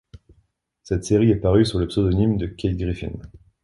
Cette série est parue sous le pseudonyme Kate Griffin.